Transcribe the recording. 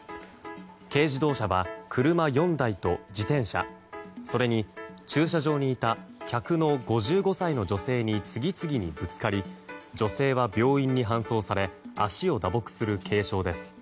軽自動車は車４台と自転車それに駐車場にいた客の５５歳の女性に次々にぶつかり女性は病院に搬送され足を打撲する軽傷です。